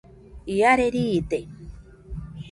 Iare riide